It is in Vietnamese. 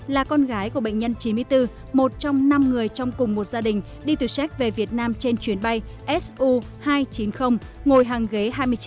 là con gái của bệnh nhân chín mươi bốn một trong năm người trong cùng một gia đình đi từ séc về việt nam trên chuyến bay su hai trăm chín mươi ngồi hàng ghế hai mươi chín